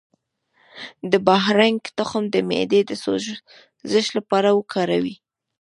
د بارهنګ تخم د معدې د سوزش لپاره وکاروئ